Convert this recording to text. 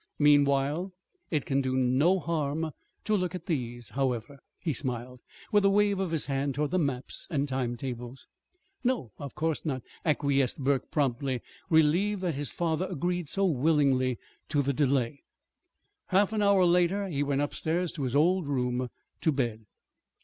Meanwhile, it can do no harm to look at these, however," he smiled, with a wave of his hand toward the maps and time tables. "No, of course not," acquiesced Burke promptly, relieved that his father agreed so willingly to the delay. Half an hour later he went upstairs to his old room to bed.